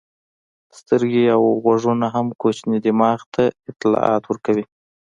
سترګې او غوږونه هم کوچني دماغ ته اطلاعات ورکوي.